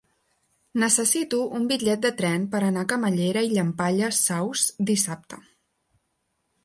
Necessito un bitllet de tren per anar a Camallera i Llampaies Saus dissabte.